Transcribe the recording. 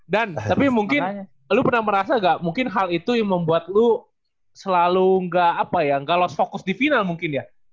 dan tapi mungkin lu pernah merasa gak mungkin hal itu yang membuat lu selalu gak apa ya gak lost focus di final mungkin ya